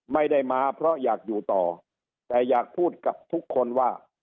ไม่ได้มาเพราะอยากอยู่ต่อแต่อยากพูดกับทุกคนว่า